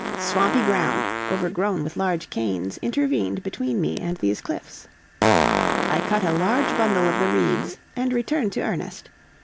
Swampy ground, overgrown with large canes, intervened between me and these cliffs. I cut a large bundle of the reeds, and returned to Ernest.